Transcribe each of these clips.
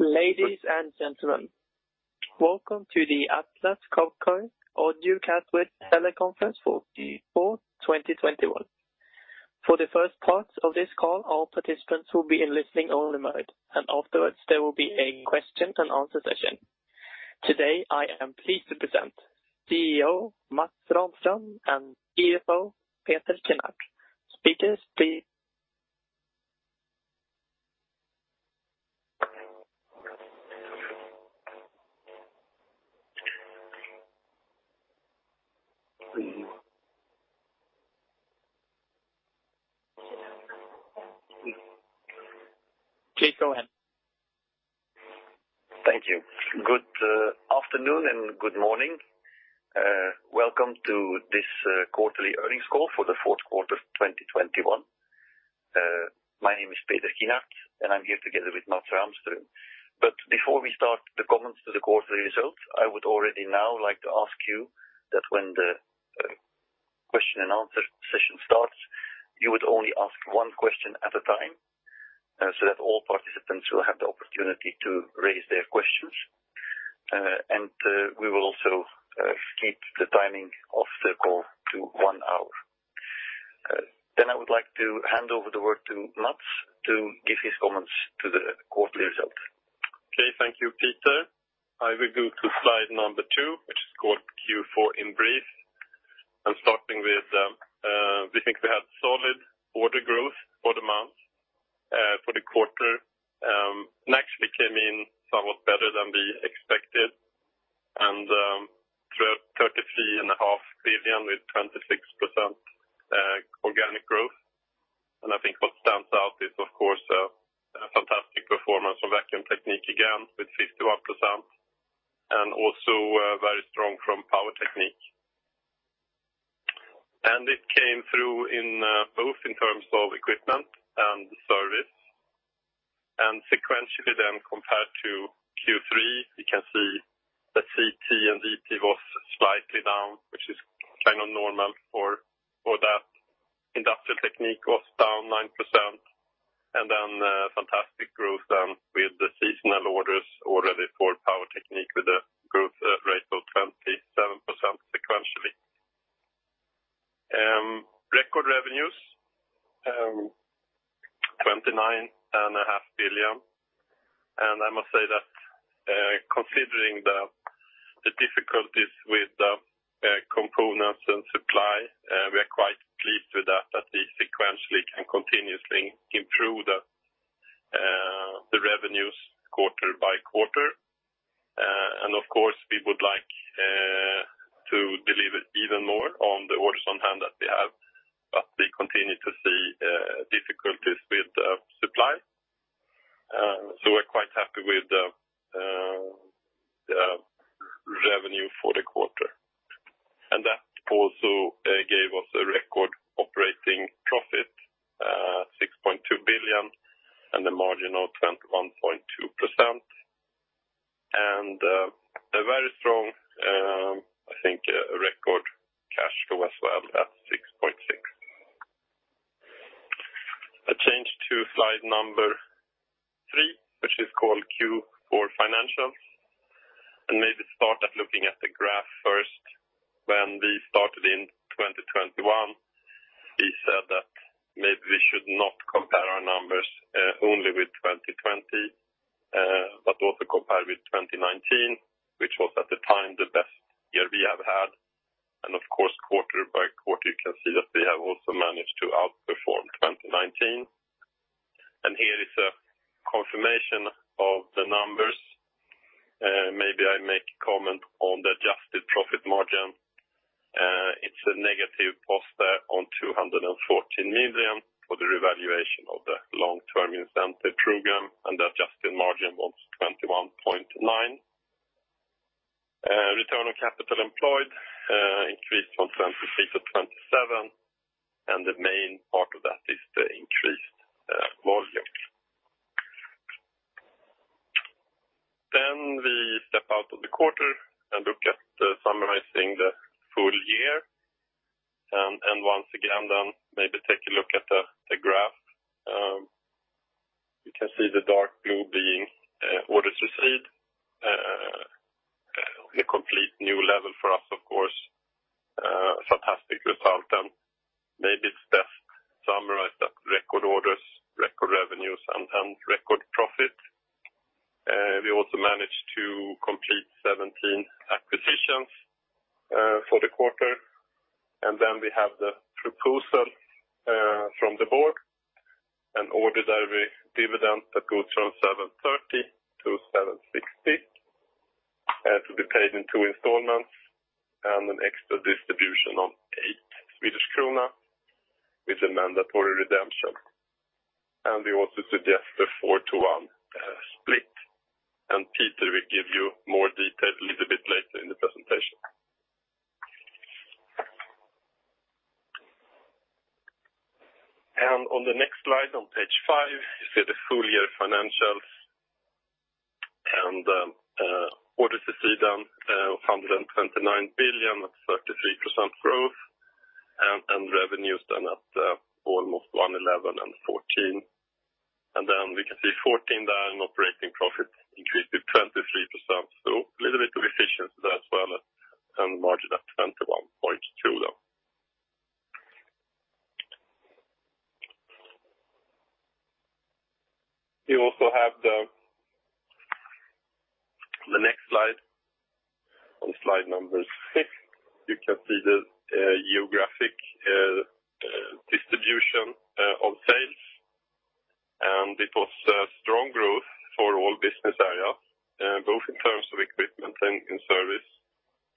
Ladies and gentlemen, welcome to the Atlas Copco annual conference teleconference for Q4 2021. For the first part of this call, all participants will be in listening-only mode, and afterwards, there will be a question and answer session. Today, I am pleased to present CEO Mats Rahmström and CFO Peter Kinnart. Speakers, please. Please go ahead. Thank you. Good afternoon and good morning. Welcome to this quarterly earnings call for the fourth quarter of 2021. My name is Peter Kinnart, and I'm here together with Mats Rahmström. Before we start the comments to the quarterly results, I would already now like to ask you that when the question and answer session starts, you would only ask one question at a time so that all participants will have the opportunity to raise their questions. We will also keep the timing of the call to one hour. I would like to hand over the word to Mats to give his comments to the quarterly results. Okay. Thank you, Peter. I will go to slide two, which is called Q4 in brief, starting with we think we had solid order growth for the quarter, and actually came in somewhat better than we expected and 33.5 Billion with 26% organic growth. I think what stands out is, of course, a fantastic performance from Vacuum Technique again, with 51% and also very strong from Power Technique. It came through in both in terms of equipment and service. Sequentially then compared to Q3, you can see that CT and IT was slightly down, which is kind of normal for that. Industrial Technique was down 9%. A fantastic growth then with the seasonal orders already for Power Technique with a growth rate of 27% sequentially. Record revenues, 29.5 billion. I must say that, considering the difficulties with the components and supply, we are quite pleased with that we sequentially can continuously improve the revenues quarter by quarter. Of course, we would like to deliver even more on the orders on hand that we have, but we continue to see difficulties with supply. We're quite happy with the revenue for the quarter. That also gave us a record operating profit, 6.2 billion and a margin of 21.2%. A very strong, I think, record cash flow as well at 6.6. I change to slide three, which is called Q4 financials, and maybe start by looking at the graph first. When we started in 2021, we said that maybe we should not compare our numbers only with 2020 but also compare with 2019, which was at the time the best year we have had. Of course, quarter by quarter, you can see that we have also managed to outperform 2019. Here is a confirmation of the numbers. Maybe I make comment on the adjusted profit margin. It's a negative cost there on 214 million for the revaluation of the long-term incentive program, and the adjusted margin was 21.9%. Return on capital employed increased from 26%-27%, and the main part of that is the increased volumes. We step out of the quarter and look at summarizing the full year. Once again, maybe take a look at the graph. You can see the dark blue being orders received. A completely new level for us, of course. Fantastic result. Maybe it's best summarized as record orders, record revenues, and record profit. We also managed to complete 17 acquisitions for the quarter. We have the proposal from the board, an ordinary dividend that goes from 7.30-7.60 to be paid in two installments and an extra distribution of 8 Swedish krona with a mandatory redemption. We also suggest a four-to-one split. Peter will give you more detail a little bit later in the presentation. On the next slide, on page five, you see the full year financials. Orders received 129 billion at 33% growth. Revenues almost 111 billion and 14%. Operating profits increased with 23%. A little bit of efficiency there as well, and margin at 21.2%, though. You also have the next slide. On slide number six, you can see the geographic distribution of sales. It was a strong growth for all business areas both in terms of equipment and in service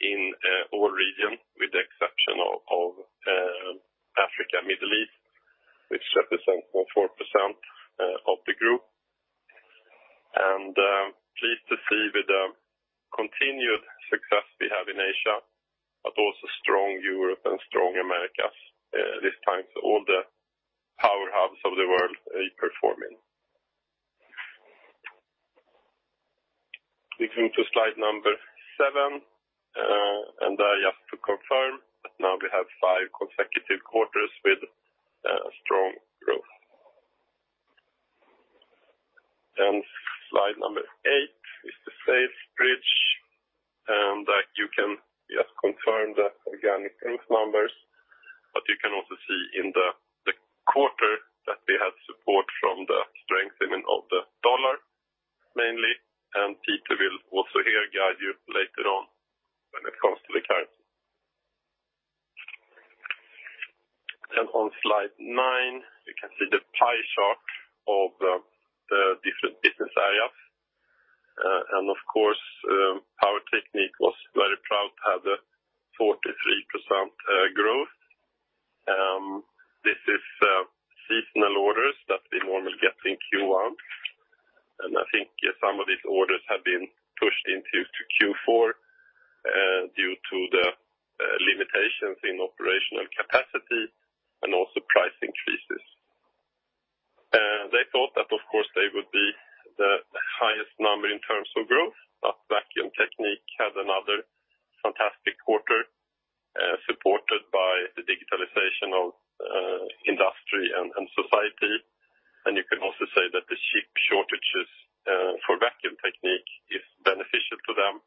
in all regions, with the exception of Africa and Middle East, which represent 4% of the group. Pleased to see with the continued success we have in Asia, but also strong Europe and strong Americas, this time. All the power hubs of the world are performing. We come to slide seven, and just to confirm that now we have five consecutive quarters with a strong growth. Slide eight is the sales bridge, and you can just confirm the organic growth numbers. You can also see in the quarter that we had support from the strengthening of the dollar, mainly, and Peter will also here guide you later on when it comes to the currency. On slide nine, you can see the pie chart of the different business areas. Of course, Power Technique was very proud to have the 43% growth. This is seasonal orders that we normally get in Q1. I think some of these orders have been pushed into Q4 due to the limitations in operational capacity and also price increases. They thought that of course they would be the highest number in terms of growth. Vacuum Technique had another fantastic quarter supported by the digitalization of industry and society. You can also say that the chip shortages for Vacuum Technique is beneficial to them.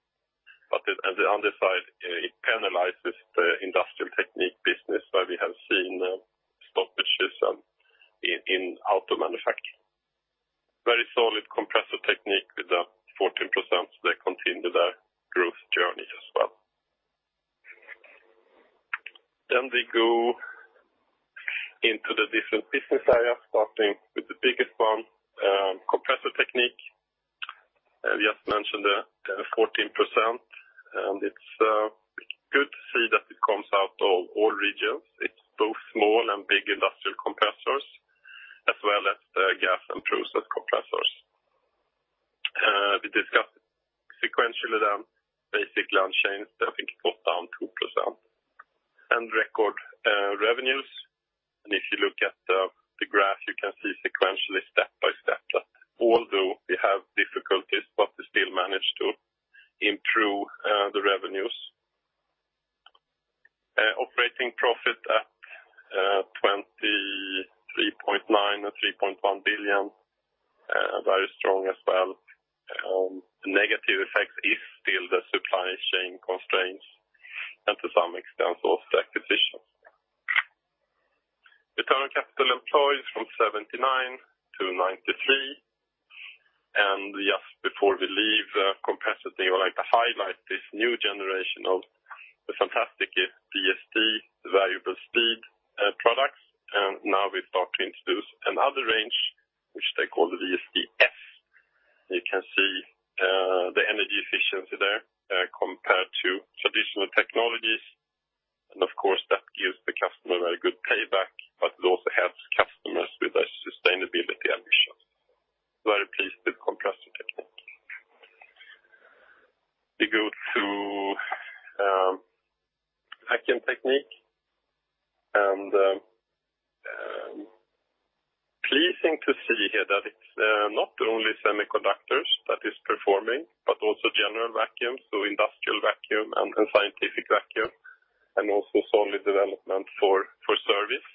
At the other side, it penalizes the Industrial Technique business, where we have seen stoppages in auto manufacturing. Very solid Compressor Technique with a 14%. They continue their growth journey as well. We go into the different business areas, starting with the biggest one, Compressor Technique. I just mentioned the 14%, and it's good to see that it comes out of all regions. It's both small and big industrial compressors, as well as gas and process compressors. We discussed sequentially the backlog in China. I think it was down 2% and record revenues. If you look at the graph, you can see sequentially step by step that although we have difficulties, but we still managed to improve the revenues. Operating profit at 23.9% or 3.1 billion, very strong as well. The negative effect is still the supply chain constraints and to some extent also acquisitions. Return on capital employed from 79-93. Just before we leave the compressor, I would like to highlight this new generation of the fantastic VSD, the variable speed products. Now we've started to introduce another range, which they call the VSDF. You can see the energy efficiency there compared to traditional technologies. Of course, that gives the customer a very good payback, but it also helps customers with their sustainability ambitions. Very pleased with Compressor Technique. We go to Vacuum Technique, pleasing to see here that it's not only semiconductors that is performing, but also general vacuum, so industrial vacuum and scientific vacuum, and also solid development for service.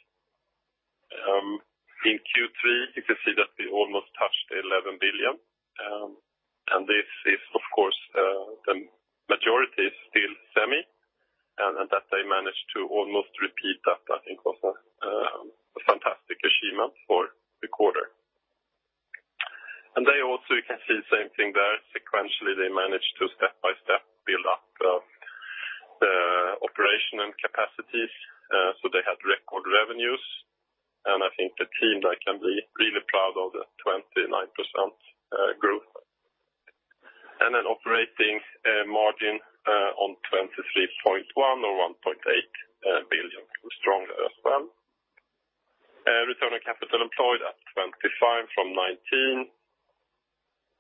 In Q3, you can see that we almost touched 11 billion. This is of course the majority is still semi, and that they managed to almost repeat that, I think, was a fantastic achievement for the quarter. They also, you can see the same thing there. Sequentially, they managed to step by step build up the operational capacities. They had record revenues. I think the team there can be really proud of the 29% growth. An operating margin on 23.1 or 1.8 billion, stronger as well. Return on capital employed at 25 from 19.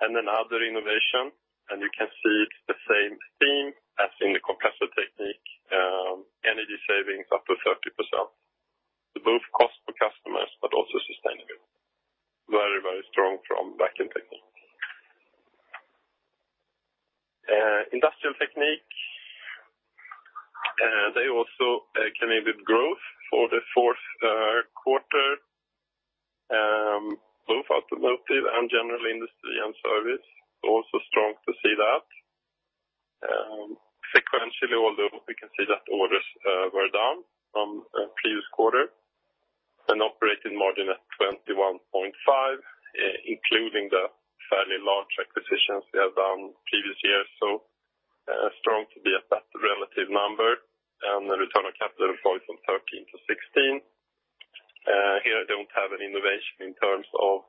Another innovation, you can see it's the same theme as in the Compressor Technique, energy savings up to 30%. Very strong from backend technical. Industrial Technique, they also can end with growth for the fourth quarter. Both automotive and general industry and service also strong to see that. Sequentially, although we can see that orders were down from previous quarter. An operating margin at 21.5%, including the fairly large acquisitions we have done previous years, so strong to be at that relative number, and the return on capital employed from 13%-16%. Here I don't have an innovation in terms of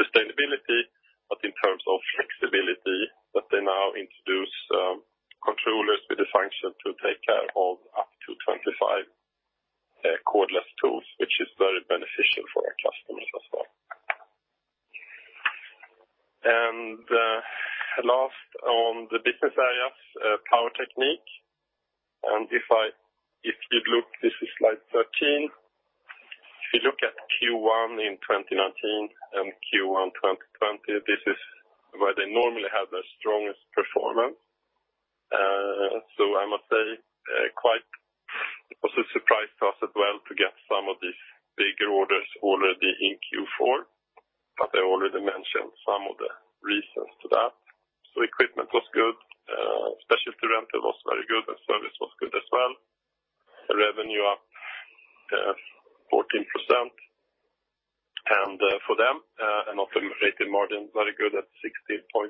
sustainability, but in terms of flexibility that they now introduce, controllers with the function to take care of up to 25 cordless tools, which is very beneficial for our customers as well. Last on the business areas, Power Technique. If you'd look, this is slide 13. If you look at Q1 in 2019 and Q1 2020, this is where they normally have their strongest performance. I must say, it was a surprise to us as well to get some of these bigger orders already in Q4, but I already mentioned some of the reasons to that. Equipment was good, Specialty Rental was very good, and service was good as well. Revenue up 14%. For them, operating margin very good at 16.3%,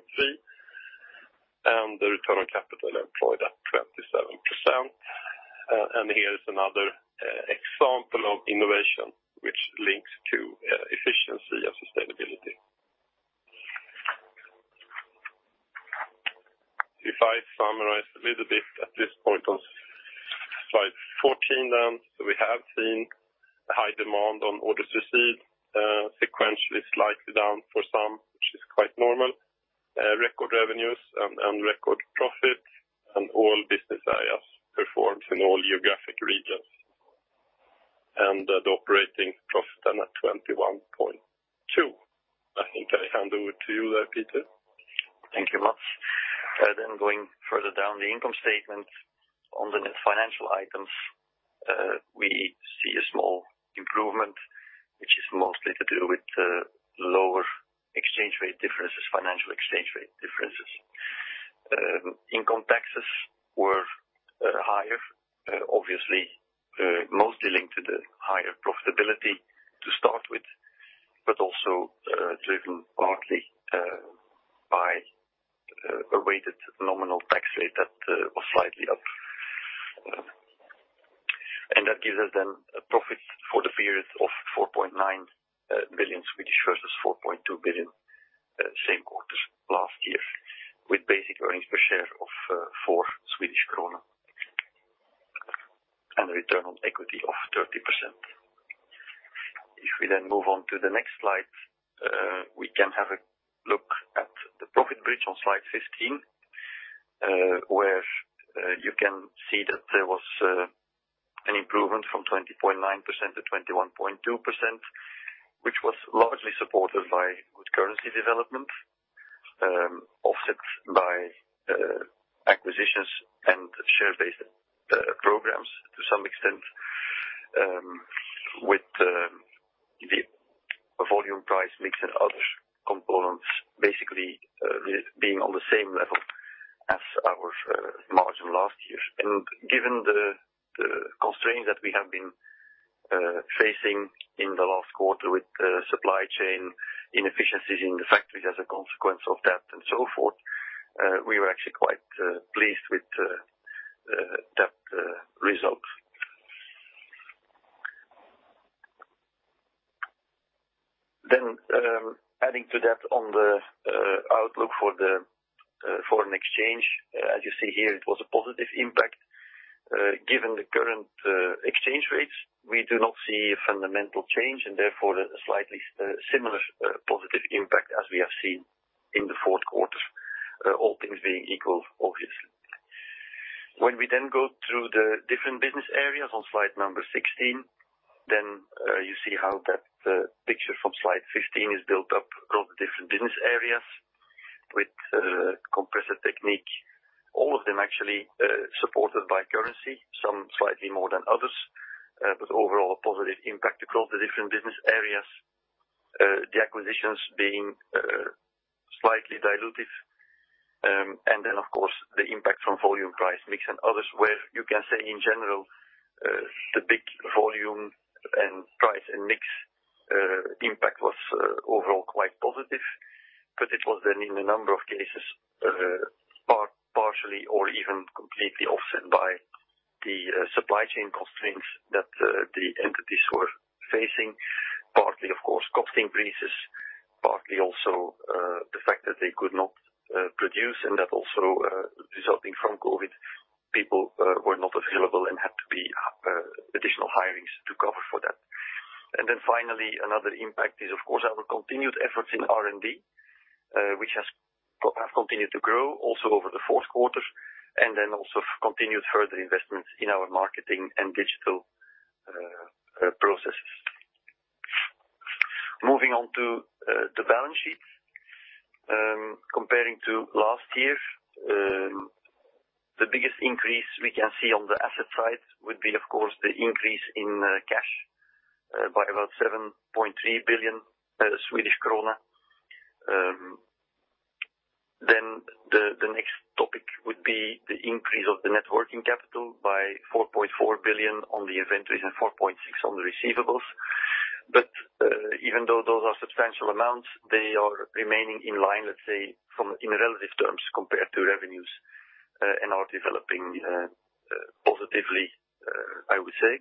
and the return on capital employed at 27%. Here is another example of innovation which links to efficiency and sustainability. If I summarize a little bit at this point on slide 14 then, we have seen high demand on orders received, sequentially slightly down for some, which is quite normal. Record revenues and record profit, and all business areas performs in all geographic regions. The operating profit then at 21.2%. I think I hand over to you there, Peter Kinnart. Thank you very much. Going further down the income statement on the financial items, we see a small improvement, which is mostly to do with lower financial exchange rate differences. Income taxes were higher, obviously, mostly linked to the higher profitability to start with, but also driven partly by a weighted nominal tax rate that was slightly up. That gives us a profit for the period of 4.9 billion versus 4.2 billion same quarter last year, with basic earnings per share of 4 Swedish kronor, and a return on equity of 30%. If we then move on to the next slide, we can have a look at the profit bridge on slide 15, where you can see that there was an improvement from 20.9%-21.2%, which was largely supported by good currency development, offset by acquisitions and share-based programs to some extent, with the volume price mix and other components basically being on the same level as our margin last year. Given the constraints that we have been facing in the last quarter with supply chain inefficiencies in the factories as a consequence of that and so forth, we were actually quite pleased with that result. Adding to that on the outlook for the foreign exchange, as you see here, it was a positive impact. Given the current exchange rates, we do not see a fundamental change, and therefore a slightly similar positive impact as we have seen in the fourth quarter, all things being equal, obviously. When we then go through the different business areas on slide number 16, you see how that picture from slide 15 is built up across the different business areas with Compressor Technique, all of them actually supported by currency, some slightly more than others, but overall a positive impact across the different business areas, the acquisitions being slightly dilutive, and then of course the impact from volume, price, mix and others, where you can say in general the big volume and price and mix impact was overall quite positive, but it was then in a number of cases partially or even completely offset by the supply chain constraints that the entities were facing, partly of course cost increases, partly also the fact that they could not produce and that also resulting from COVID, people were not available and had to be additional hirings to cover for that. Then finally, another impact is of course our continued efforts in R&D, which have continued to grow also over the fourth quarter, and then also continued further investments in our marketing and digital processes. Moving on to the balance sheet. Comparing to last year, the biggest increase we can see on the asset side would be, of course, the increase in cash by about 7.3 billion Swedish krona. Then the next topic would be the increase of the net working capital by 4.4 billion on the inventories and 4.6 billion on the receivables. But even though those are substantial amounts, they are remaining in line, let's say, from in relative terms compared to revenues, and are developing positively, I would say.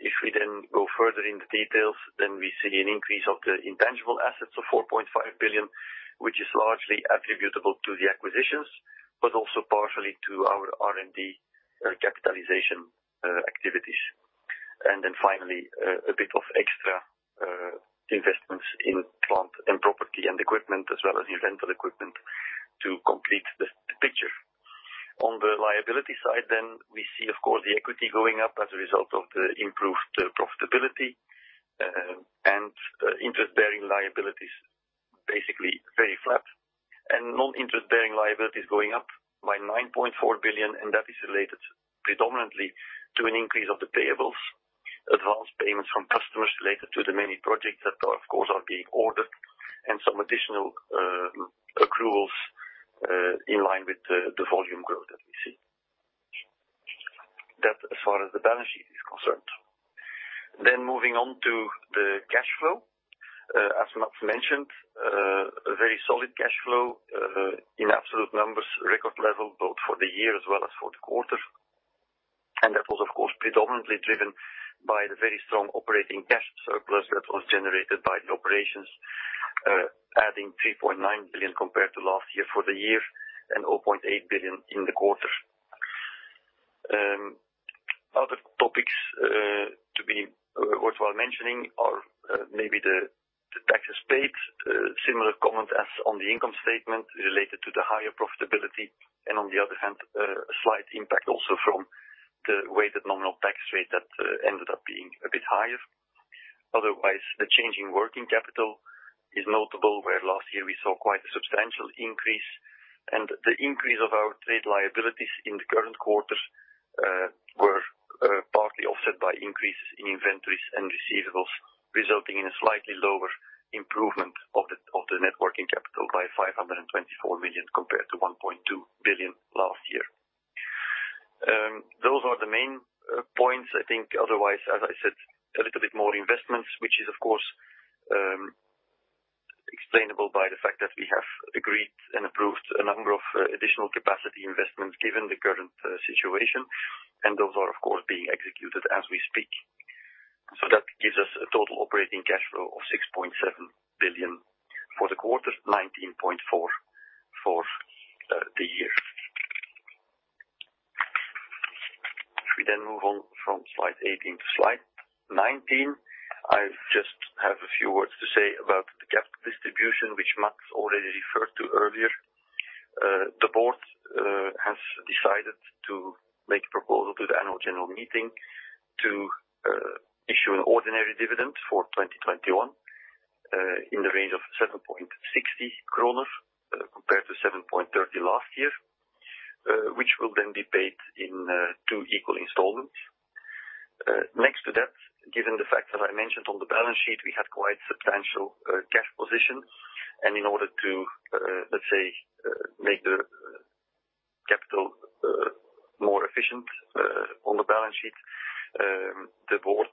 If we go further in the details, we see an increase of the intangible assets of 4.5 billion, which is largely attributable to the acquisitions, but also partially to our R&D capitalization activities. Finally, a bit of extra investments in plant and property and equipment, as well as in rental equipment to complete the picture. On the liability side, we see, of course, the equity going up as a result of the improved profitability, and interest-bearing liabilities, basically very flat. Non-interest-bearing liabilities going up by 9.4 billion, and that is related predominantly to an increase of the payables. Advanced payments from customers related to the many projects that are, of course, being ordered, and some additional accruals in line with the volume growth that we see. That's as far as the balance sheet is concerned. Moving on to the cash flow. As Mats mentioned, a very solid cash flow in absolute numbers, record level, both for the year as well as for the quarter. That was, of course, predominantly driven by the very strong operating cash surplus that was generated by the operations, adding 3.9 billion compared to last year for the year and 0.8 billion in the quarter. Other topics to be worthwhile mentioning are maybe the taxes paid. Similar comment as on the income statement related to the higher profitability and on the other hand, a slight impact also from the weighted nominal tax rate that ended up being a bit higher. Otherwise, the change in working capital is notable, where last year we saw quite a substantial increase, and the increase of our trade liabilities in the current quarter were partly offset by increases in inventories and receivables, resulting in a slightly lower improvement of the net working capital by 524 million compared to 1.2 billion last year. Those are the main points. I think otherwise, as I said, a little bit more investments, which is, of course, explainable by the fact that we have agreed and approved a number of additional capacity investments given the current situation, and those are, of course, being executed as we speak. That gives us a total operating cash flow of 6.7 billion for the quarter, 19.4 billion for the year. If we move on from slide 18 to slide 19, I just have a few words to say about the capital distribution, which Mats already referred to earlier. The Board has decided to make a proposal to the annual general meeting to issue an ordinary dividend for 2021 in the range of 7.60 kronor compared to 7.30 last year, which will then be paid in two equal installments. Next to that, given the fact that I mentioned on the balance sheet, we had quite substantial cash position, and in order to make the capital more efficient on the balance sheet, the Board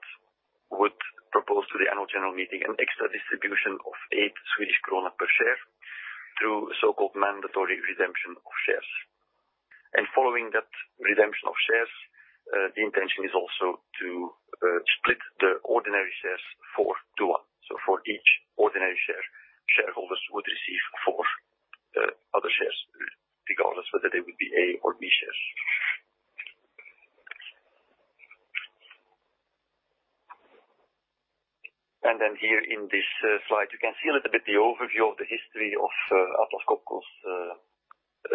would propose to the annual general meeting an extra distribution of 8 Swedish krona per share through so-called mandatory redemption of shares. Following that redemption of shares, the intention is also to split the ordinary shares four-to-one. For each ordinary share, shareholders would receive four other shares, regardless whether they would be A or B shares. Here in this slide, you can see a little bit the overview of the history of Atlas Copco's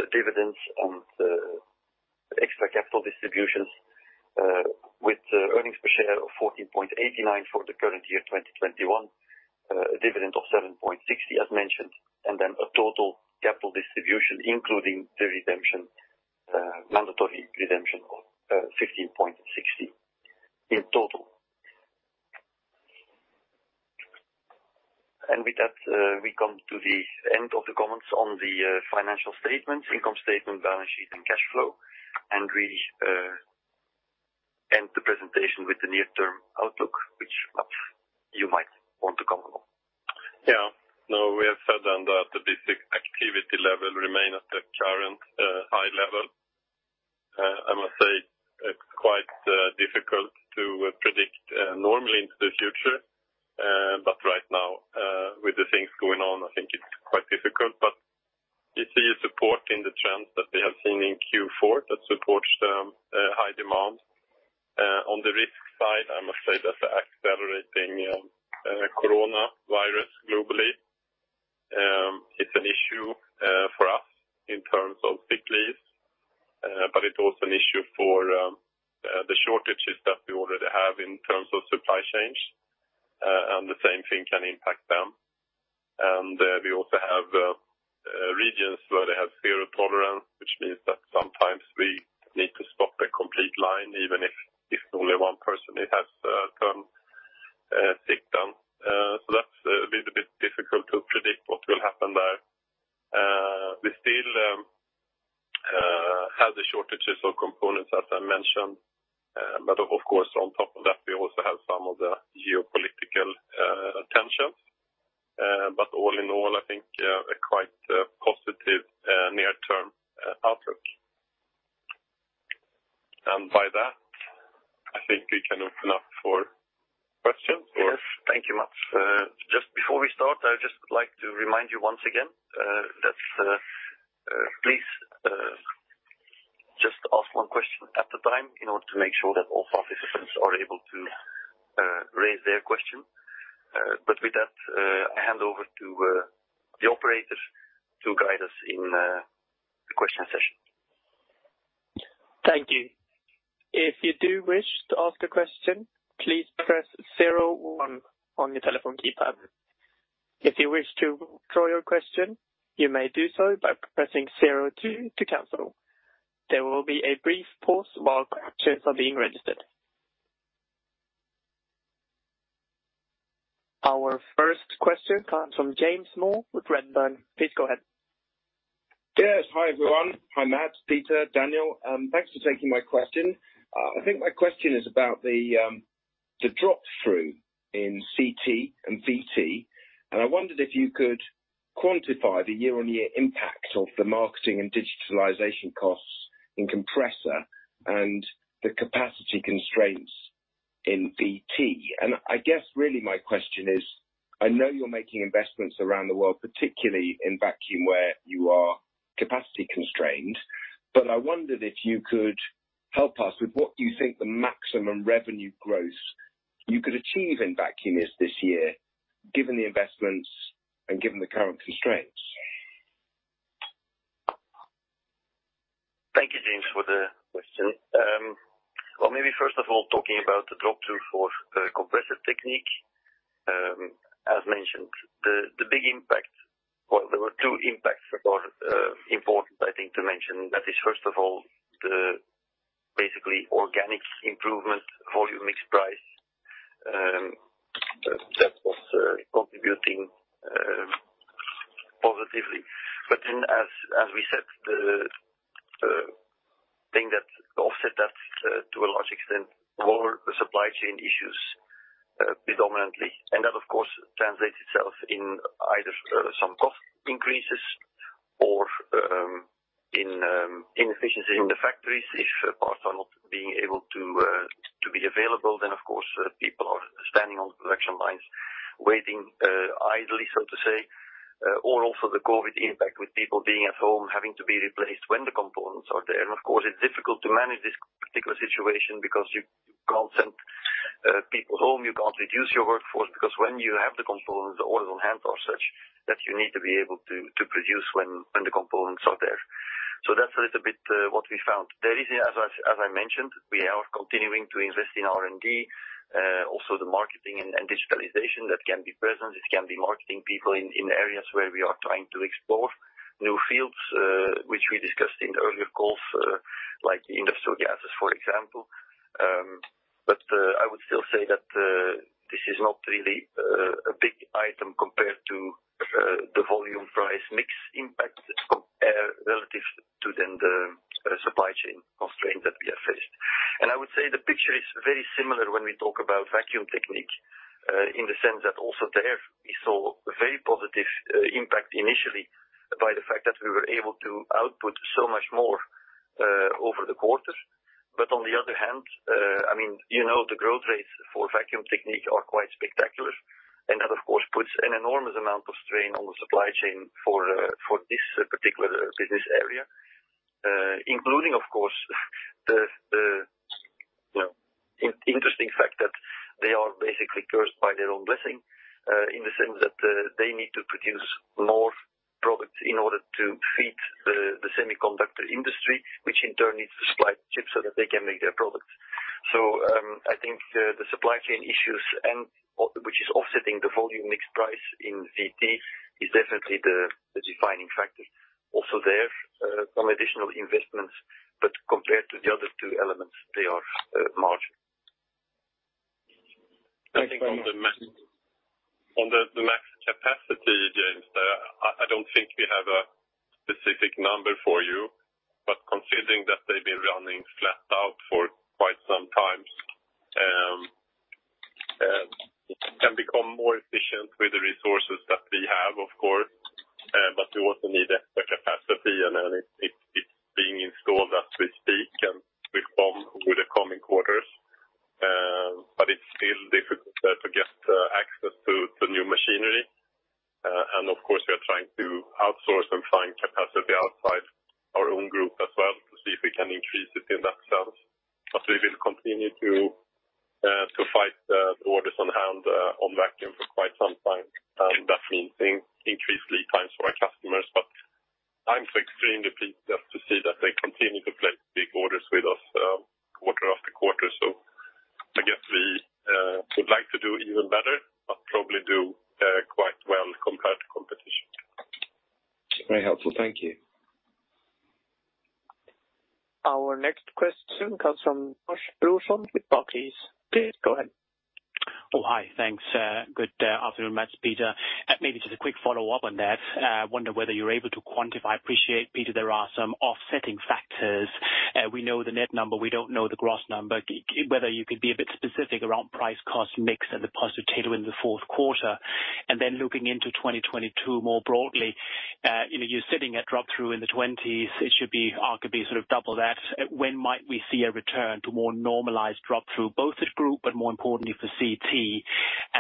dividends and extra capital distributions, with earnings per share of 14.89 for the current year, 2021, a dividend of 7.60 as mentioned, and a total capital distribution, including the redemption, mandatory redemption of 15.60 in total. With that, we come to the end of the comments on the financial statements, income statement, balance sheet and cash flow, and we end the presentation with the near term outlook, which, Mats, you might want to comment on. Yeah. No, we have said then that the basic activity level remain at the current high level. I must say it's quite difficult to predict normally into the future. Right now, with the things going on, I think it's quite difficult. You see a support in the trends that we have seen in Q4 that supports the high demand. On the risk side, I must say that the accelerating coronavirus globally, it's an issue for us in terms of sick leave, but it's also an issue for the shortages that we already have in terms of supply chains, and the same thing can impact them. We also have regions where they have zero tolerance, which means that sometimes we need to stop a complete line, even if only one person has come down sick. That's a little bit difficult to predict what will happen there. We still have the shortages of components, as I mentioned. Of course, on top of that, we also have some of the geopolitical tensions. All in all, I think a quite positive near-term outlook. By that, I think we can open up for questions or- Yes. Thank you, Mats. Just before we start, I just like to remind you once again that please just ask one question at a time in order to make sure that all participants are able to raise their question. With that, I hand over to the operator to guide us in the question session. Our first question comes from James Moore with Redburn. Please go ahead. Yes. Hi, everyone. Hi, Mats Rahmström, Peter Kinnart, Daniel Althoff. Thanks for taking my question. I think my question is about the drop-through in CT and VT, and I wondered if you could quantify the year-on-year impact of the marketing and digitalization costs in compressor and the capacity constraints in VT. I guess really my question is, I know you're making investments around the world, particularly in vacuum, where you are capacity constrained, but I wondered if you could help us with what you think the maximum revenue growth you could achieve in vacuum is this year, given the investments and given the current constraints. Thank you, James, for the question. Well, maybe first of all, talking about the drop-through for Compressor Technique. As mentioned, there were two impacts that are important, I think, to mention. That is, first of all, the basically organic improvement volume mix price that was contributing positively. As we said, the thing that offset that to a large extent were the supply chain issues, predominantly. That, of course, translates itself in either some cost increases or in inefficiencies in the factories. If parts are not being able to be available, then of course people are standing on production lines waiting idly, so to say, or also the COVID impact with people being at home having to be replaced when the components are there. Of course, it's difficult to manage this particular situation because you can't send people home, you can't reduce your workforce because when you have the components or on hand or such, that you need to be able to produce when the components are there. That's a little bit what we found. As I mentioned, we are continuing to invest in R&D, also the marketing and digitalization that can be present. It can be marketing people in areas where we are trying to explore new fields, which we discussed in the earlier calls, like industrial gases, for example. I would still say that this is not really a big item compared to the volume price mix impact relative to the supply chain constraint that we have faced. I would say the picture is very similar when we talk about Vacuum Technique, in the sense that also there we saw very positive impact initially by the fact that we were able to output so much more over the quarter. On the other hand, I mean, you know, the growth rates for Vacuum Technique are quite spectacular, and that of course puts an enormous amount of strain on the supply chain for this particular business area, including of course, the you know, interesting fact that they are basically cursed by their own blessing, in the sense that, they need to produce more products in order to feed the semiconductor industry, which in turn needs to supply chips so that they can make their products. I think the supply chain issues and which is offsetting the volume mix price in VT is definitely the defining factor. Also there some additional investments, but compared to the other two elements, they are margin. I think on the max capacity, James, I don't think we have a specific number for you, but considering that they've been running flat out for quite some time, we can become more efficient with the resources that we have, of course, but we also need extra capacity, and then it's being installed as we speak and with the coming quarters. It's still difficult to get new machinery. Of course, we are trying to outsource and find capacity outside our own group as well, to see if we can increase it in that sense. We will continue to fulfill the orders on hand on vacuum for quite some time. That means increased lead times for our customers. I'm extremely pleased to see that they continue to place big orders with us, quarter after quarter. I guess we would like to do even better, but probably do quite well compared to competition. Very helpful. Thank you. Our next question comes from Lars Brorson with Barclays. Please go ahead. Oh, hi. Thanks, good afternoon, Mats, Peter. Maybe just a quick follow-up on that. Wonder whether you're able to quantify. Appreciate, Peter, there are some offsetting factors. We know the net number, we don't know the gross number. Whether you could be a bit specific around price cost mix and the positive tailwind in the fourth quarter. Looking into 2022 more broadly, you know, you're sitting at drop-through in the 20s%, it should be arguably sort of double that. When might we see a return to more normalized drop-through, both as group, but more importantly for CT?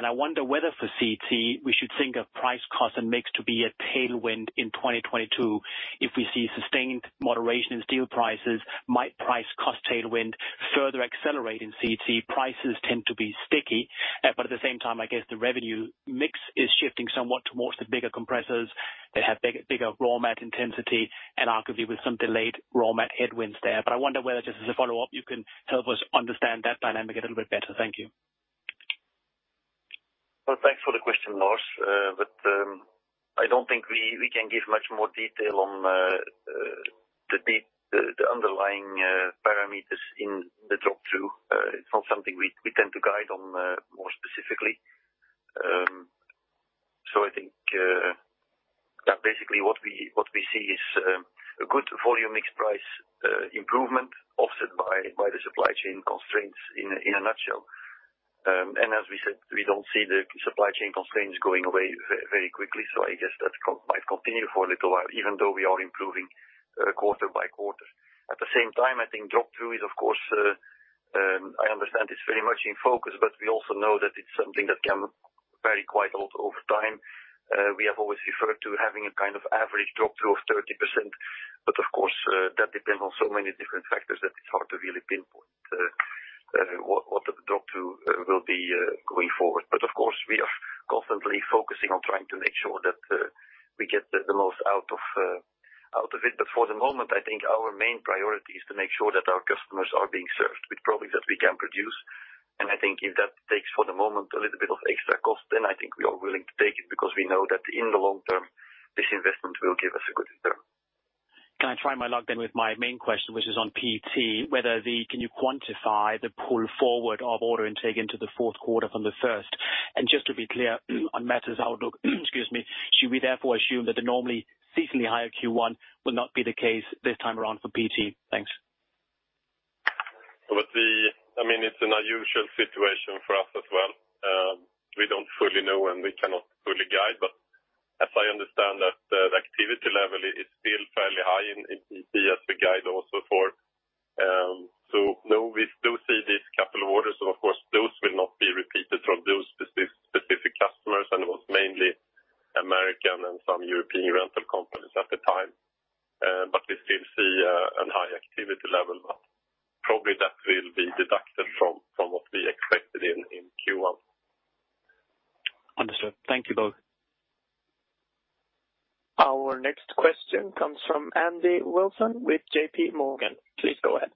I wonder whether for CT, we should think of price cost and mix to be a tailwind in 2022. If we see sustained moderation in steel prices, might price cost tailwind further accelerate in CT? Prices tend to be sticky, but at the same time, I guess the revenue mix is shifting somewhat towards the bigger compressors that have bigger raw mat intensity, and arguably with some delayed raw mat headwinds there. I wonder whether, just as a follow-up, you can help us understand that dynamic a little bit better. Thank you. Well, thanks for the question, Lars Brorson. I don't think we can give much more detail on the underlying parameters in the drop-through. It's not something we tend to guide on more specifically. I think that basically what we see is a good volume mix price improvement offset by the supply chain constraints in a nutshell. As we said, we don't see the supply chain constraints going away very quickly, so I guess that might continue for a little while, even though we are improving quarter by quarter. At the same time, I think drop-through is, of course, I understand it's very much in focus, but we also know that it's something that can vary quite a lot over time. We have always referred to having a kind of average drop-through of 30%. Of course, that depends on so many different factors that it's hard to really pinpoint what the drop-through will be going forward. Of course, we are constantly focusing on trying to make sure that we get the most out of it. For the moment, I think our main priority is to make sure that our customers are being served with products that we can produce. I think if that takes for the moment, a little bit of extra cost, then I think we are willing to take it because we know that in the long term, this investment will give us a good return. Can I try my luck then with my main question, which is on PT, whether can you quantify the pull forward of order intake into the fourth quarter from the first? Just to be clear on Mats' outlook, excuse me, should we therefore assume that the normally seasonally higher Q1 will not be the case this time around for PT? Thanks. I mean, it's an unusual situation for us as well. We don't fully know, and we cannot fully guide. As I understand that the activity level is still fairly high in PT as we guide also for. We still see these capital orders, so of course, those will not be repeated from those specific customers, and it was mainly American and some European rental companies at the time. We still see a high activity level. Probably that will be deducted from what we expected in Q1. Understood. Thank you both. Our next question comes from Andrew Wilson with J.P. Morgan. Please go ahead.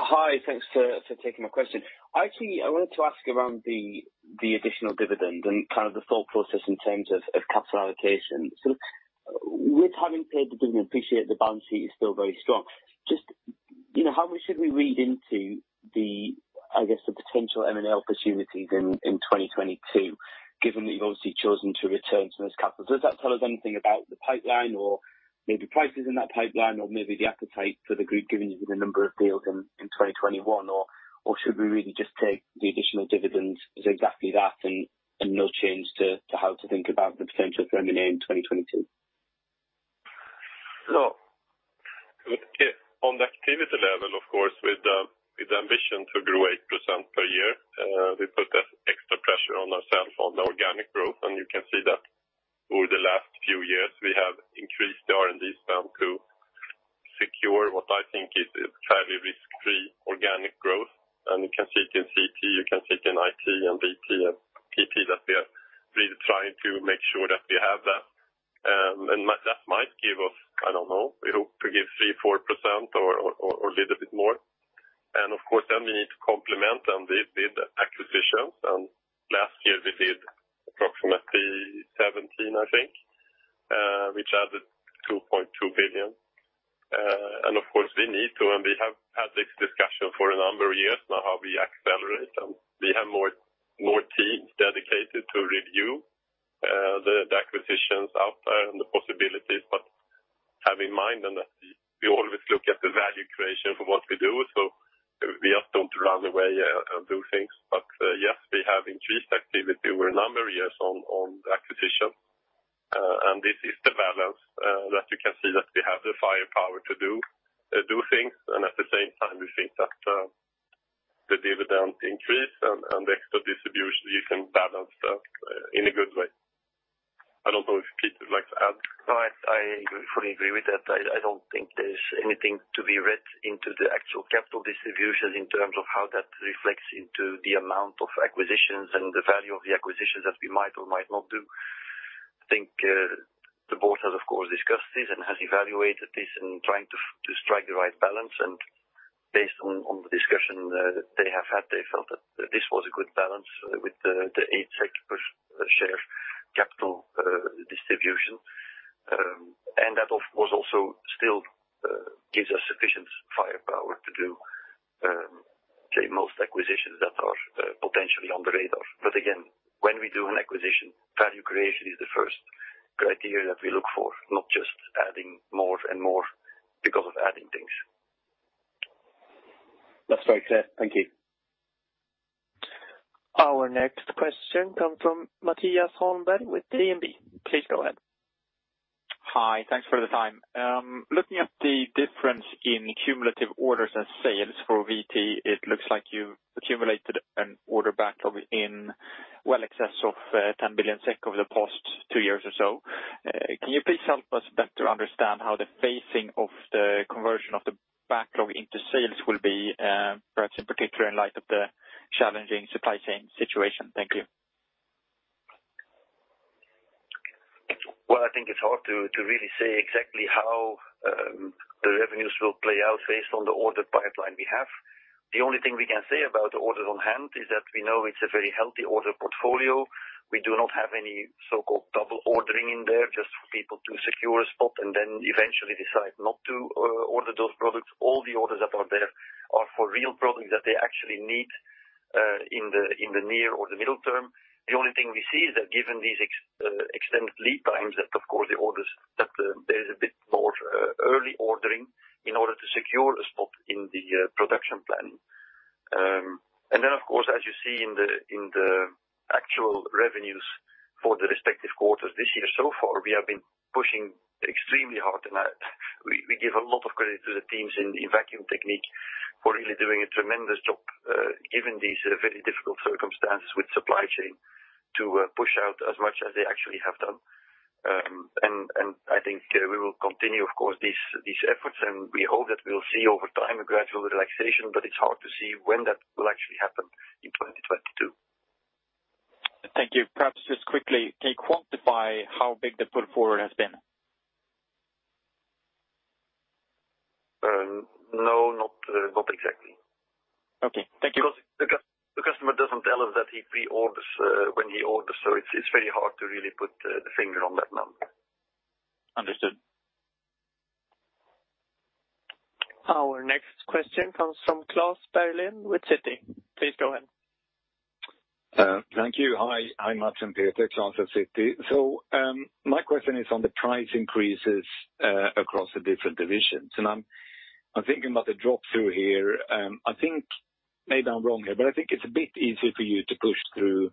Hi. Thanks for taking my question. Actually, I wanted to ask about the additional dividend and kind of the thought process in terms of capital allocation. With having paid the dividend, I appreciate the balance sheet is still very strong. Just, you know, how much should we read into the, I guess, potential M&A opportunities in 2022, given that you've obviously chosen to return some of this capital? Does that tell us anything about the pipeline or maybe prices in that pipeline or maybe the appetite for the group, given the number of deals in 2021? Or should we really just take the additional dividends as exactly that and no change to how to think about the potential for M&A in 2022? On the activity level, of course, with the ambition to grow 8% per year, we put that extra pressure on ourselves on organic growth. You can see that over the last few years, we have increased the R&D spend to secure what I think is a fairly risk-free organic growth. You can see it in CT, you can see it in IT, and VT, and PT, that we are really trying to make sure that we have that. That might give us, I don't know, we hope to give 3%-4% or a little bit more. Of course, then we need to complement, and we did acquisitions. Last year we did approximately 17, I think, which added 2.2 billion. Of course, we need to, and we have had this discussion for a number of years now, how we accelerate. We have more teams dedicated to review the acquisitions out there and the possibilities. Have in mind then that we always look at the value creation for what we do. We just don't run away and do things. Yes, we have increased activity over a number of years on the acquisition. This is the balance that you can see that we have the firepower to do things. At the same time, we think that the dividend increase and the extra distribution, you can balance that in a good way. I don't know if Pete would like to add. No, I fully agree with that. I don't think there's anything to be read into the actual capital distribution in terms of how that reflects into the amount of acquisitions and the value of the acquisitions that we might or might not do. I think the Board has of course discussed this and has evaluated this in trying to strike the right balance. Based on the discussion that they have had, they felt that this was a good balance with the 8 SEK per share capital distribution. That of course also still gives us sufficient firepower to do most acquisitions that are potentially on the radar. Again, when we do an acquisition, value creation is the first criteria that we look for, not just adding more and more because of adding things. That's very clear. Thank you. Our next question come from Mattias Holmberg with DNB. Please go ahead. Hi. Thanks for the time. Looking at the difference in cumulative orders and sales for VT, it looks like you've accumulated an order backlog in well excess of 10 billion SEK over the past two years or so. Can you please help us better understand how the phasing of the conversion of the backlog into sales will be, perhaps in particular in light of the challenging supply chain situation? Thank you. Well, I think it's hard to really say exactly how the revenues will play out based on the order pipeline we have. The only thing we can say about the orders on hand is that we know it's a very healthy order portfolio. We do not have any so-called double ordering in there just for people to secure a spot and then eventually decide not to order those products. All the orders that are there are for real products that they actually need in the near or the middle term. The only thing we see is that given these extended lead times, that of course the orders that there's a bit more early ordering in order to secure a spot in the production plan. Of course, as you see in the actual revenues for the respective quarters this year so far, we have been pushing extremely hard. We give a lot of credit to the teams in Vacuum Technique for really doing a tremendous job, given these very difficult circumstances with supply chain to push out as much as they actually have done. I think we will continue, of course, these efforts, and we hope that we'll see over time a gradual relaxation. It's hard to see when that will actually happen in 2022. Thank you. Perhaps just quickly, can you quantify how big the pull forward has been? No, not exactly. Okay. Thank you. Because the customer doesn't tell us that he preorders when he orders, so it's very hard to really put the finger on that number. Understood. Our next question comes from Klas Bergelind with Citi. Please go ahead. Thank you. Hi. Hi, Mats Rahmström and Peter Kinnart. Klas Bergelind at Citi. My question is on the price increases across the different divisions, and I'm thinking about the drop-through here. I think, maybe I'm wrong here, but I think it's a bit easier for you to push through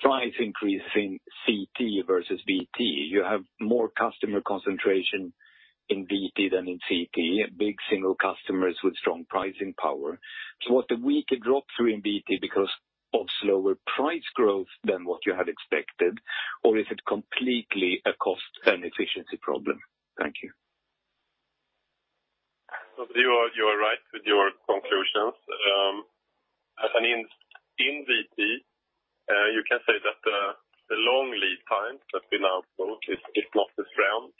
price increase in CT versus VT. You have more customer concentration in VT than in CT, big single customers with strong pricing power. Was the weaker drop-through in VT because of slower price growth than what you had expected, or is it completely a cost and efficiency problem? Thank you. You are right with your conclusions. As in VT, you can say that the long lead time that we now quote is not as round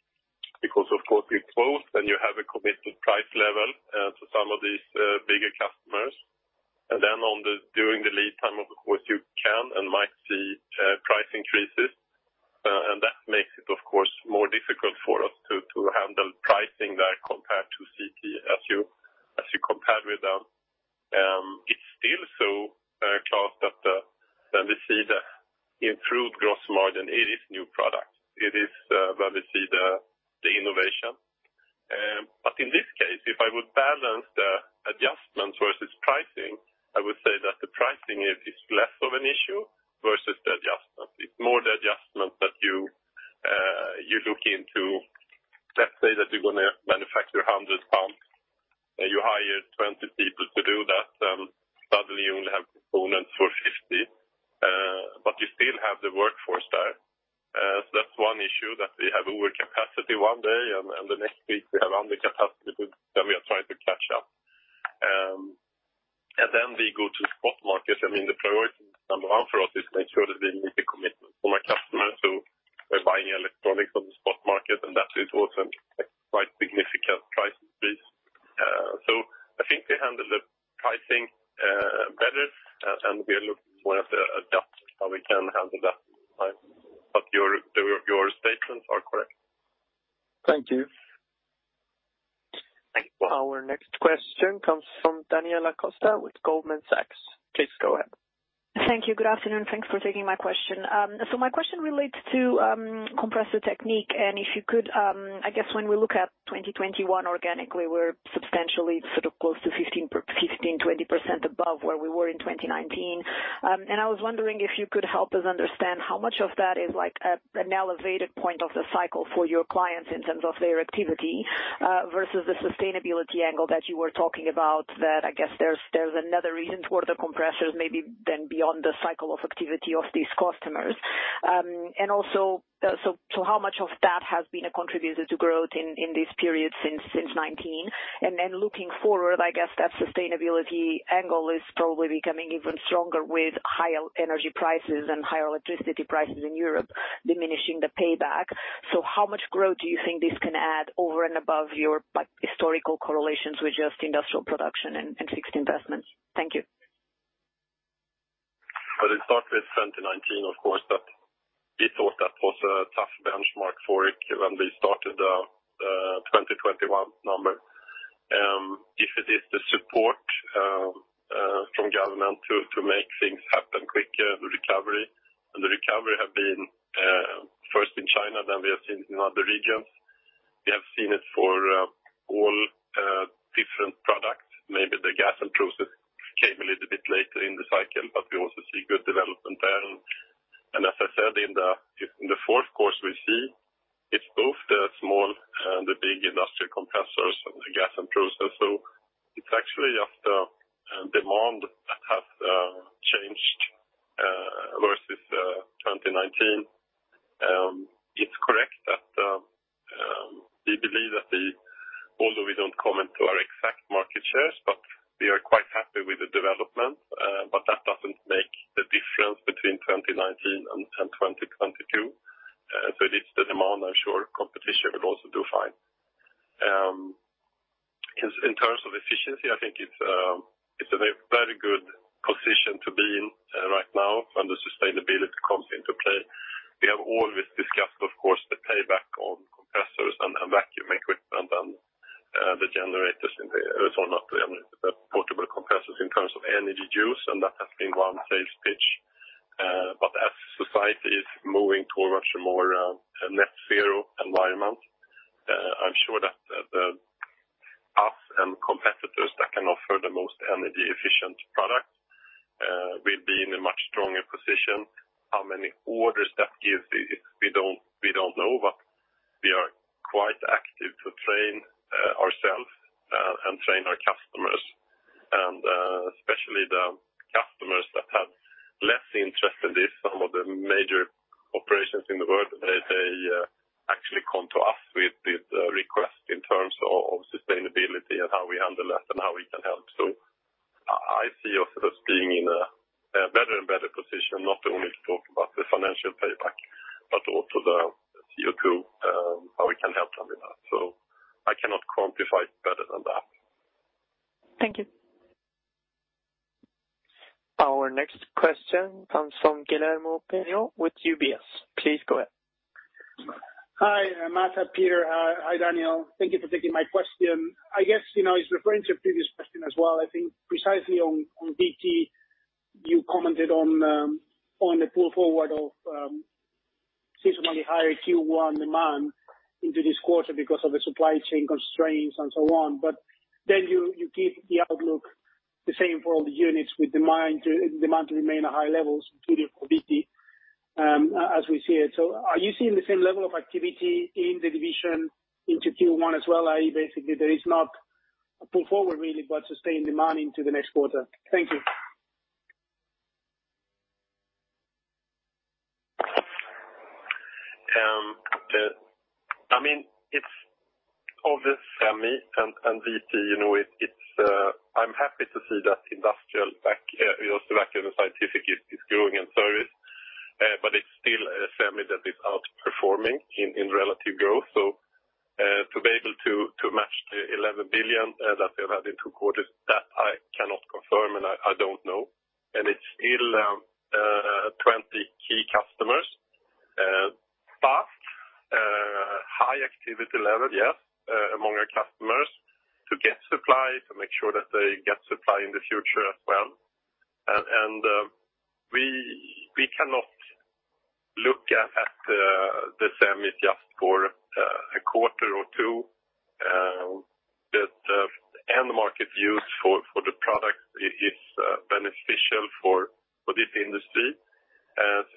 because of course we quote and you have a committed price level to some of these bigger customers. During the lead time, of course, you can and might see price increases. That makes it of course more difficult for us to handle pricing there compared to CT as you compared with them. It's still so, Klas, that when we see the improved gross margin, it is new products. It is where we see the innovation. In this case, if I would balance the adjustments versus pricing, I would say that the pricing is less of an issue versus the adjustment. It's more the adjustment that you look into. Let's say that you're gonna manufacture 100 pumps, and you hire 20 people to do that. Suddenly you only have components for 50, but you still have the workforce there. So that's one issue that we have overcapacity one day and the next week we have undercapacity then we are trying to catch up. And then we go to spot market. I mean, the priority number one for us is make sure that we meet the commitment for my customer. So we're buying electronics on the spot market, and that is also a quite significant price increase. I think we handle the pricing better, and we are looking more at the adjustments, how we can handle that. Your statements are correct. Thank you. Thank you. Our next question comes from Daniela Costa with Goldman Sachs. Please go ahead. Thank you. Good afternoon. Thanks for taking my question. My question relates to Compressor Technique, and if you could, I guess when we look at 2021 organically, we're substantially sort of close to 15%-20% above where we were in 2019. I was wondering if you could help us understand how much of that is like an elevated point of the cycle for your clients in terms of their activity versus the sustainability angle that you were talking about, that I guess there's another reason for the compressors maybe than beyond the cycle of activity of these customers. Also, how much of that has been a contributor to growth in this period since 2019? Looking forward, I guess that sustainability angle is probably becoming even stronger with higher energy prices and higher electricity prices in Europe diminishing the payback. How much growth do you think this can add over and above your, like, historical correlations with just industrial production and fixed investments? Thank you. I will start with 2019, of course, but we thought that was a tough benchmark for it given we started 2021 number. If it is the support from government to make things happen quicker, the recovery have been first in China then we have seen in other regions. We have seen it for all different products. Maybe the gas and process came a little bit later in the cycle, but we also see good development there. As I said, in the fourth quarter we see it's both the small and the big industrial compressors and the gas and process. It's actually just demand that has changed versus 2019. It's as we see it. Are you seeing the same level of activity in the division into Q1 as well, i.e., basically, there is not a pull forward really, but sustained demand into the next quarter? Thank you. I mean, it's obvious semi and VT, you know, I'm happy to see that industrial vacuum and scientific is growing in service, but it's still a semi that is outperforming in relative growth. To be able to match the $11 billion that they've had in two quarters, that I cannot confirm, and I don't know. It's still 20 key customers. But high activity level, yes, among our customers to get supply, to make sure that they get supply in the future as well. We cannot look at the semi just for a quarter or two. The end market use for the product is beneficial for this industry.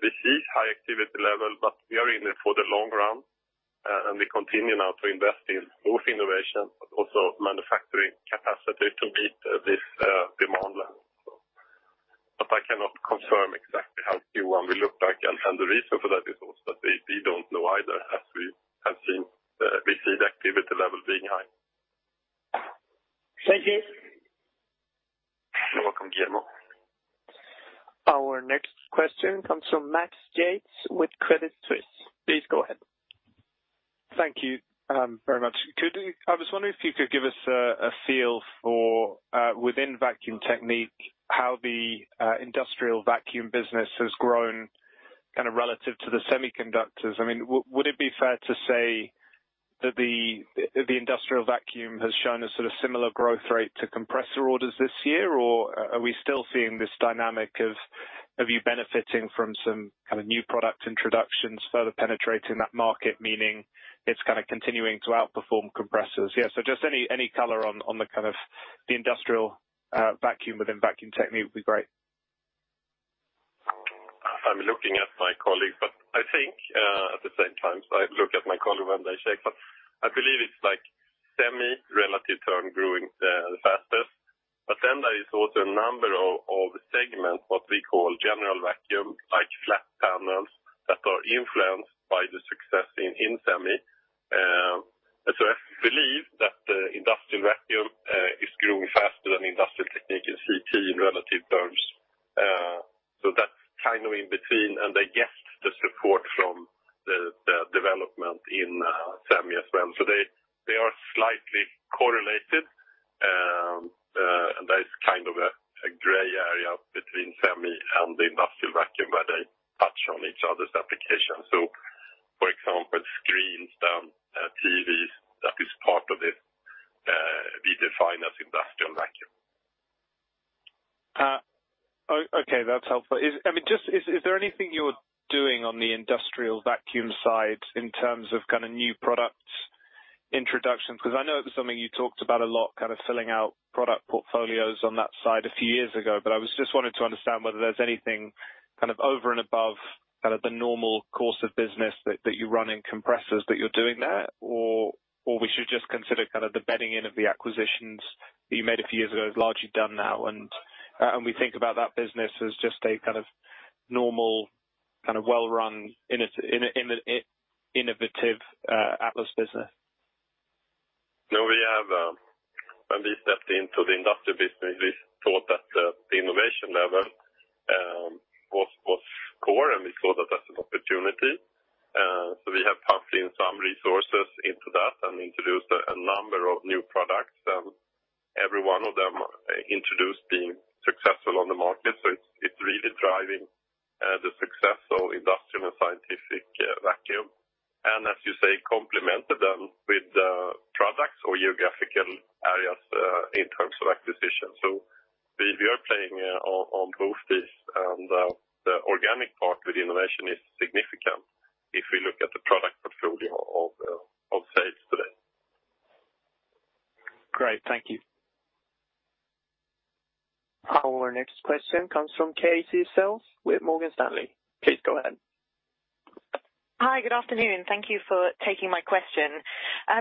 We see high activity level, but we are in it for the long run, and we continue now to invest in both innovation but also manufacturing capacity to meet this demand. I cannot confirm exactly how Q1 will look like. The reason for that is also that we don't know either, as we have seen, we see the activity level being high. Thank you. You're welcome, Guillermo. Our next question comes from Max Yates with Credit Suisse. Please go ahead. Thank you very much. I was wondering if you could give us a feel for within Vacuum Technique, how the industrial vacuum business has grown kind of relative to the semiconductors. I mean, would it be fair to say that the industrial vacuum has shown a sort of similar growth rate to compressor orders this year or are we still seeing this dynamic of you benefiting from some kind of new product introductions further penetrating that market, meaning it's kind of continuing to outperform compressors? Yeah. Just any color on the industrial vacuum within Vacuum Technique would be great. I'm looking at my colleague, but I think at the same time, so I look at my colleague when they check, but I believe it's like semi relatively growing the fastest. There is also a number of segments, what we call general vacuum, like flat panels that are influenced by the success in semi. I believe that industrial vacuum is growing faster than Industrial Technique in CT in relative terms. That's kind of in between, and they get the support from the development in semi as well. They are slightly correlated, and there is kind of a gray area between semi and the industrial vacuum, where they touch on each other's application. For example, screens, TVs, that is part of this, we define as industrial vacuum. Okay, that's helpful. I mean, is there anything you're doing on the industrial vacuum side in terms of kind of new products introduction? 'Cause I know it was something you talked about a lot, kind of filling out product portfolios on that side a few years ago, but I just wanted to understand whether there's anything kind of over and above kind of the normal course of business that you run in compressors that you're doing there, or we should just consider kind of the bedding in of the acquisitions that you made a few years ago is largely done now, and we think about that business as just a kind of normal, kind of well run innovative Atlas business. No, we have, when we stepped into the industrial business, we thought that, the innovation level, was core, and we saw that as an opportunity. We have pumped in some resources into that and introduced a number of new products. Every one of them introduced being successful on the market, it's really driving the success of industrial and scientific vacuum. As you say, complemented them with products or geographical areas in terms of acquisition. We are playing on both these, and the organic part with innovation is significant if we look at the product portfolio of sales today. Great. Thank you. Our next question comes from Katie Self with Morgan Stanley. Please go ahead. Hi, good afternoon. Thank you for taking my question.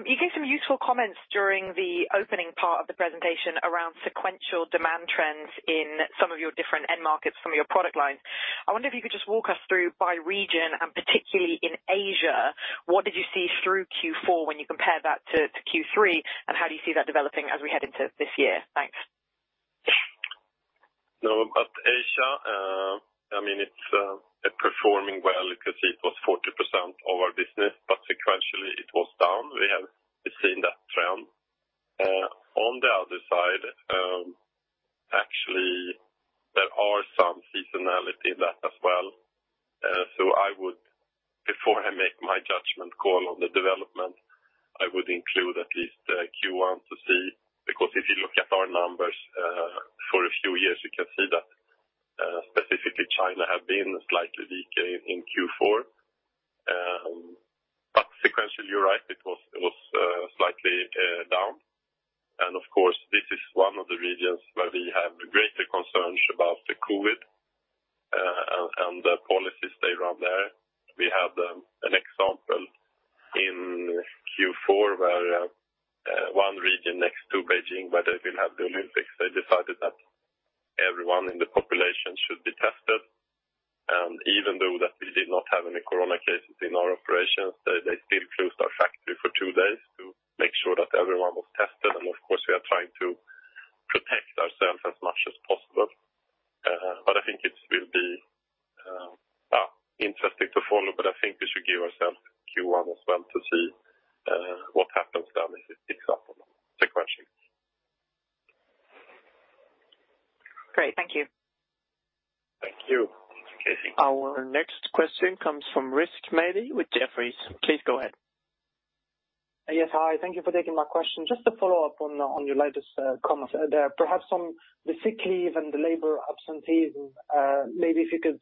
You gave some useful comments during the opening part of the presentation around sequential demand trends in some of your different end markets from your product lines. I wonder if you could just walk us through by region, and particularly in Asia, what did you see through Q4 when you compare that to Q3, and how do you see that developing as we head into this year? Thanks. No, but Asia, I mean it's performing well because it was 40% of our business, but sequentially it was down. We have seen that trend. On the other side, actually there are some seasonality in that as well. I would, before I make my judgment call on the development, I would include at least Q1 to see, because if you look at our numbers, for a few years, you can see that, specifically China have been slightly decaying in Q4. Sequentially, you're right, it was slightly down. Of course this is one of the regions where we have greater concerns about the COVID, and the policies they run there. We have an example in Q4 where one region next to Beijing, where they will have the Olympics, they decided that everyone in the population should be tested. Even though that we did not have any Corona cases in our operations, they still closed our factory for two days to make sure that everyone was tested. Of course, we are trying to protect ourselves as much as possible. I think it will be interesting to follow, but I think we should give ourselves Q1 as well to see what happens then if it picks up on the question. Great. Thank you. Thank you, Katie. Our next question comes from Rizk Maidi with Jefferies. Please go ahead. Yes. Hi. Thank you for taking my question. Just to follow up on your latest comments there. Perhaps on the sick leave and the labor absenteeism, maybe if you could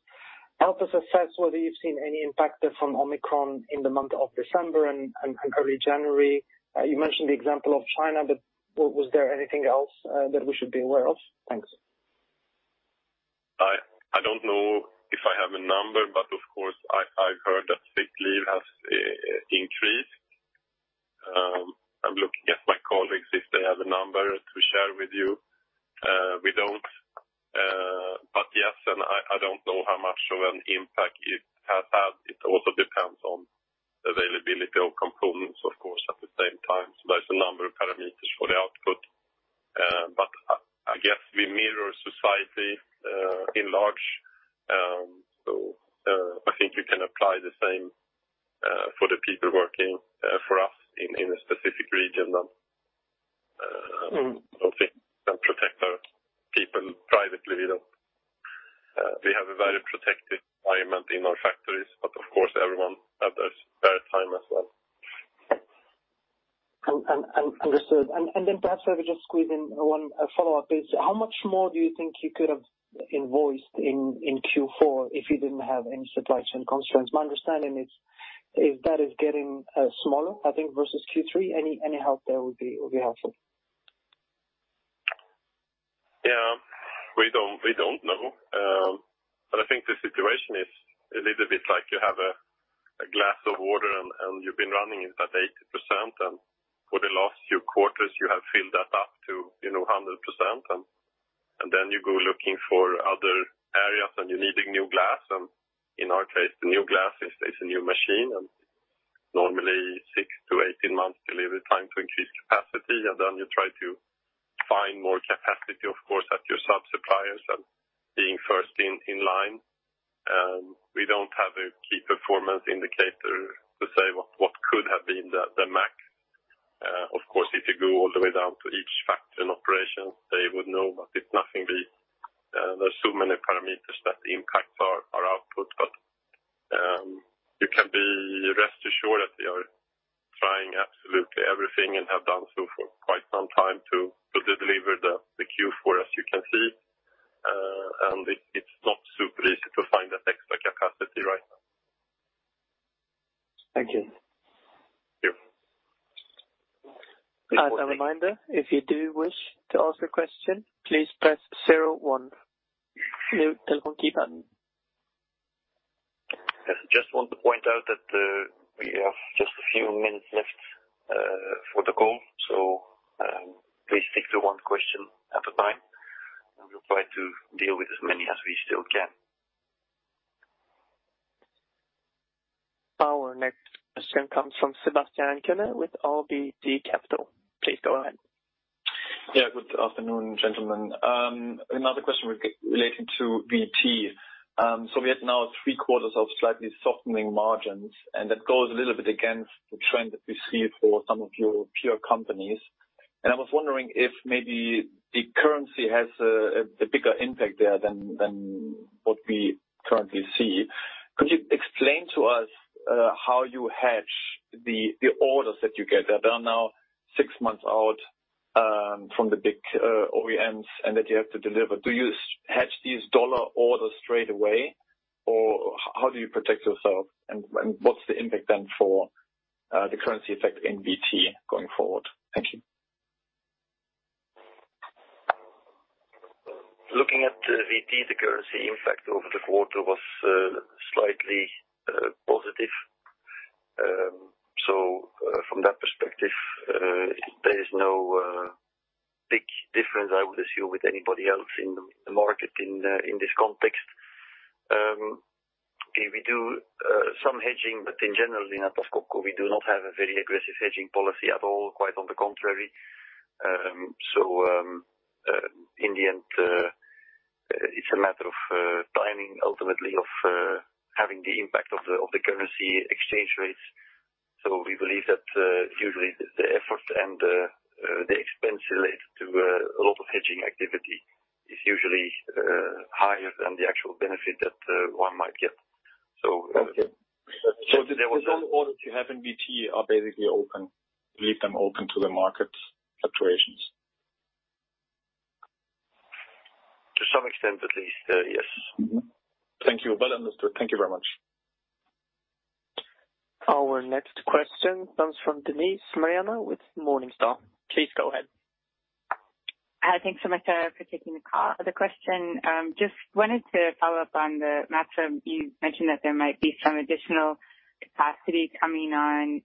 help us assess whether you've seen any impact from Omicron in the month of December and early January. You mentioned the example of China, but was there anything else that we should be aware of? Thanks. I don't know if I have a number, but of course I've heard that sick leave has increased. I'm looking at my colleagues if they have a number to share with you. We don't. Yes, I don't know how much of an impact it has had. It also depends on availability of components of course at the same time. There's a number of parameters for the output. I guess we mirror society at large. I think you can apply the same for the people working for us in a specific region and protect our people privately, you know. We have a very protective environment in our factories, but of course, everyone have their spare time as well. Understood. Perhaps if I could just squeeze in one follow-up, how much more do you think you could have invoiced in Q4 if you didn't have any supply chain constraints? My understanding is that it is getting smaller, I think, versus Q3. Any help there would be helpful. Yeah. We don't know. I think the situation is a little bit like you have a glass of water and you've been running it at 80%, and for the last few quarters, you have filled that up to, you know, 100%. Then you go looking for other areas, and you're needing new glass. In our case, the new glass is a new machine. Normally 6-18 months delivery time to increase capacity. Then you try to find more capacity, of course, at your sub-suppliers and being first in line. We don't have a key performance indicator to say what could have been the max. Of course, if you go all the way down to each factory and operation, they would know, but it's nothing we... There's so many parameters that impacts our output. You can be rest assured that we are trying absolutely everything and have done so for quite some time to deliver the Q4, as you can see. It's not super easy to find that extra capacity right now. Thank you. Yeah. As a reminder, if you do wish to ask a question, please press zero one on your telephone keypad. Yes. Just want to point out that we have just a few minutes left for the call. Please stick to one question at a time, and we'll try to deal with as many as we still can. Our next question comes from Sebastian Kuenne with RBC Capital Markets. Please go ahead. Yeah, good afternoon, gentlemen. Another question relating to VT. So we have now three quarters of slightly softening margins, and that goes a little bit against the trend that we see for some of your peer companies. I was wondering if maybe the currency has a bigger impact there than what we currently see. Could you explain to us how you hedge the orders that you get that are now six months out from the big OEMs and that you have to deliver? Do you hedge these dollar orders straight away, or how do you protect yourself, and what's the impact then for the currency effect in VT going forward? Thank you. Looking at VT, the currency impact over the quarter was slightly positive. From that perspective, there is no big difference, I would assume, with anybody else in the market in this context. We do some hedging, but in general in Atlas Copco, we do not have a very aggressive hedging policy at all, quite on the contrary. In the end, it's a matter of timing, ultimately, of having the impact of the currency exchange rates. We believe that usually the effort and the expense related to a lot of hedging activity is usually higher than the actual benefit that one might get. Okay. The orders you have in VT are basically open. You leave them open to the market fluctuations. To some extent, at least, yes. Thank you. Well understood. Thank you very much. Our next question comes from Denise Molina with Morningstar. Please go ahead. Hi. Thanks so much for taking the call. The question just wanted to follow up on the matter you mentioned that there might be some additional capacity coming on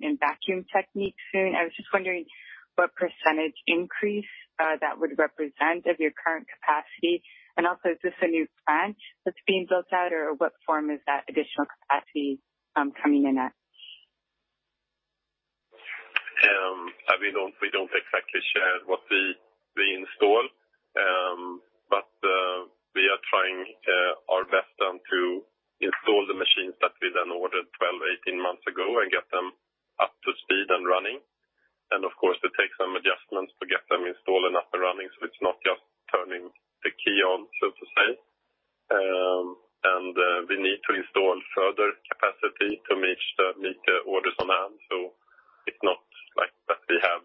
in Vacuum Technique soon. I was just wondering what percentage increase that would represent of your current capacity. And also, is this a new plant that's being built out, or what form is that additional capacity coming in at? We don't exactly share what we install. We are trying our best to install the machines that we then ordered 12, 18 months ago and get them up to speed and running. Of course, it takes some adjustments to get them installed and up and running, so it's not just turning the key on, so to say. We need to install further capacity to meet orders on hand. It's not like that we have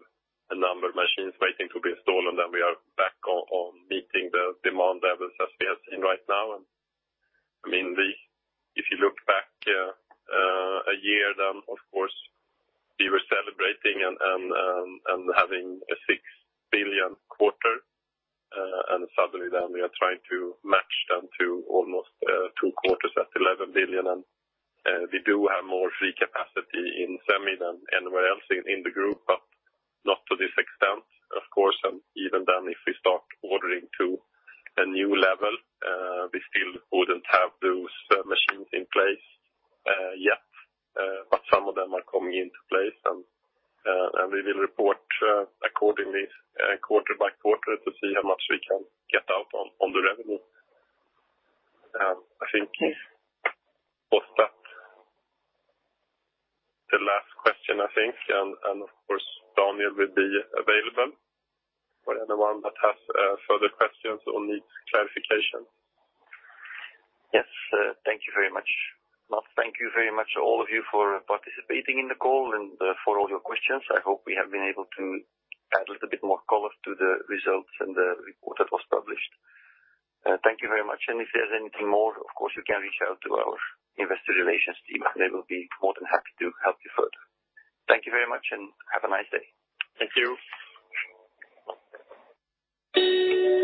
a number of machines waiting to be installed, and then we are back on meeting the demand levels that we are seeing right now. I mean, if you look back a year, then of course we were celebrating and having a 6 billion quarter, and suddenly then we are trying to match them to almost two quarters at 11 billion. We do have more free capacity in Semi than anywhere else in the group, but not to this extent, of course. Even then, if we start ordering to a new level, we still wouldn't have those machines in place yet. But some of them are coming into place, and we will report accordingly quarter by quarter to see how much we can get out on the revenue. I think that was the last question, I think. Of course, Daniel will be available for anyone that has further questions or needs clarification. Yes. Thank you very much. Well, thank you very much all of you for participating in the call and for all your questions. I hope we have been able to add a little bit more color to the results and the report that was published. Thank you very much. If there's anything more, of course, you can reach out to our investor relations team, and they will be more than happy to help you further. Thank you very much, and have a nice day. Thank you.